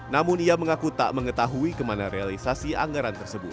namun ia mengaku tak mengetahui kemana realisasi anggaran tersebut